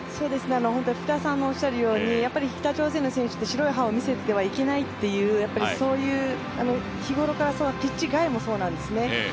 やっぱり北朝鮮の選手って白い歯を見せてはいけないという、日頃からピッチ外もそうなんですね。